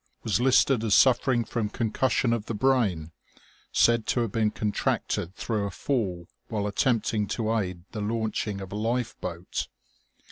was listed as suffering from concussion of the brain, said to have been contracted through a fall while attempting to aid the launching of a lifeboat.